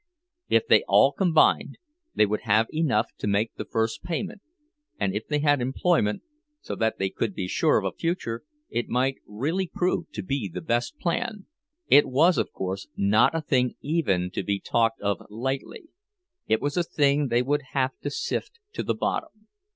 If they all combined, they would have enough to make the first payment; and if they had employment, so that they could be sure of the future, it might really prove the best plan. It was, of course, not a thing even to be talked of lightly; it was a thing they would have to sift to the bottom.